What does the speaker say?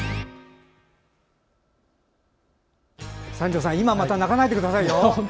三條さん、今また泣かないでくださいよ。